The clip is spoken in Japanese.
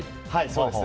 そうです。